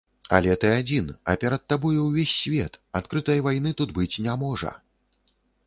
Але ты адзін, а перад табою ўвесь свет, адкрытай вайны тут быць не можа.